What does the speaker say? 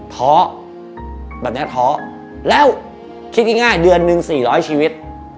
แบบเนี้ยท้อแล้วคิดง่ายเดือนหนึ่งสี่ร้อยชีวิต